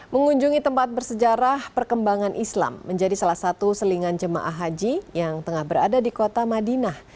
mengunjungi tempat bersejarah perkembangan islam menjadi salah satu selingan jemaah haji yang tengah berada di kota madinah